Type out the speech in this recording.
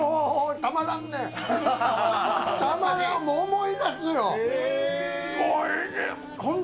たまらん、もう、思い出すよ。